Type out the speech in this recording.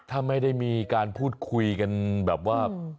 ถ้าไม่ได้มีการพูดคุยกันแบบว่า